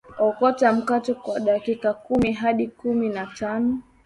oka mkate kwa dakika kumi hadi kumi na tano